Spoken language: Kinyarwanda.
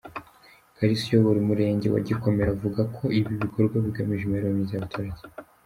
Kalisa uyobora Umurenge wa Gikomero avuga ko ibi bikorwa bigamije imibereho myiza y’abaturage.